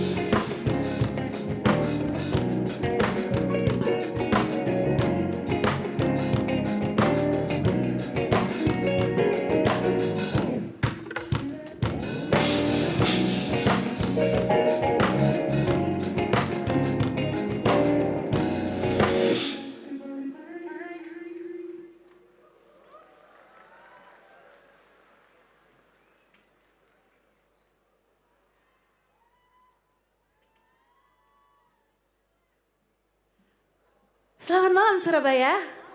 selamat malam surabaya